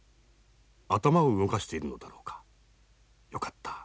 頭を動かしているのだろうか。よかった。